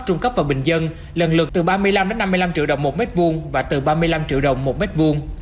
trung cấp và bình dân lần lượt từ ba mươi năm đến năm mươi năm triệu đồng một mét vuông và từ ba mươi năm triệu đồng một mét vuông